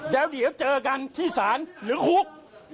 เดี๋ยวเจอกันที่ศาลหรือคุก